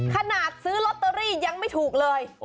ขนาดซื้อลอตเตอรี่ยังไม่ถูกเลย